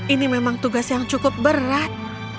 ini memang tugas yang cukup berat